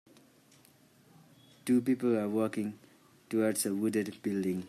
Two people are walking towards a wooded building.